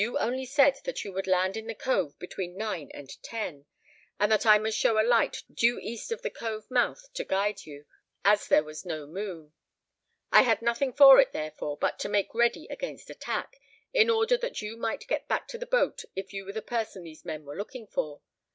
You only said that you would land in the cove between nine and ten, and that I must show a light due east of the cove mouth to guide you, as there was no moon. I had nothing for it, therefore, but to make ready against attack, in order that you might get back to the boat if you were the person these men were looking for.